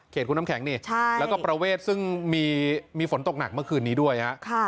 คุณน้ำแข็งนี่แล้วก็ประเวทซึ่งมีฝนตกหนักเมื่อคืนนี้ด้วยฮะ